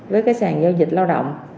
với cái sàn giao dịch lao động